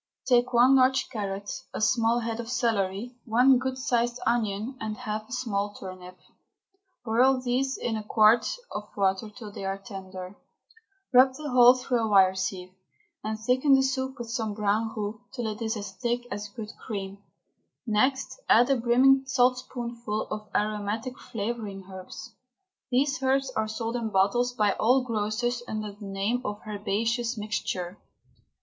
Take one large carrot, a small head of celery, one good sized onion, and half a small turnip, and boil these in a quart of water till they are tender. Rub the whole through a wire sieve, and thicken the soup with some brown roux till it is as thick as good cream. Next add a brimming saltspoonful of aromatic flavouring herbs. These herbs are sold in bottles by all grocers under the name of Herbaceous Mixture.